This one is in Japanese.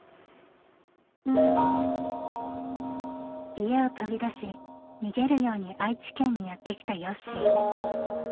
家を飛び出し逃げるように愛知県にやって来たよっしー。